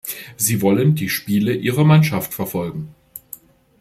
Sie wollen die Spiele ihrer Mannschaft verfolgen.